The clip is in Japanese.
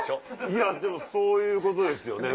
いやでもそういうことですよね。